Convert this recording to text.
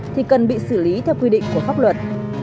thì cần bị xử lý theo quy định của pháp luật